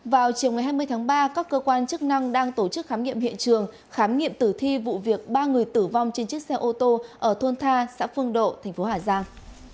vào chiều ngày hai mươi tháng ba các cơ quan chức năng đang tổ chức khám nghiệm hiện trường khám nghiệm tử thi vụ việc ba người tử vong trên chiếc xe ô tô ở thôn tha xã phương độ thành phố hà giang